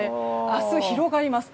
明日、広がります。